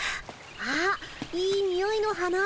あっいいにおいの花。